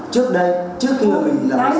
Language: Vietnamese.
trước đây trước khi mà mình làm công tác